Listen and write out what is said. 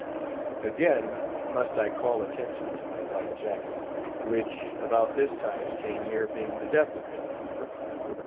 Again must I call attention to my white jacket, which, about this time came near being the death of me.